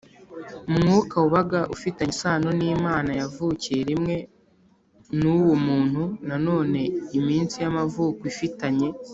Mwuka wabaga ufitanye isano n imana yavukiye rimwe n uwo muntu nanone iminsi y amavuko ifitanye